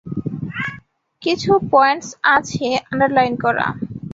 কিছু পয়েন্টস আছে আন্ডারলাইন করা।